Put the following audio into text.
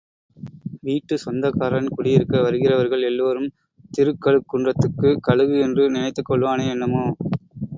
வீட்டுச் சொந்தக்காரன் குடியிருக்க வருகிறவர்கள் எல்லோரும் திருக்கழுக்குன்றத்துக் கழுகு என்று நினைத்துக் கொள்வானோ என்னமோ?